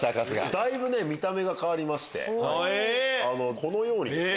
だいぶ見た目が変わりましてこのようにですね。